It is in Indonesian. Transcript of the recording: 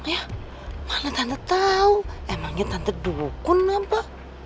ya mana tante tau emangnya tante dukun apa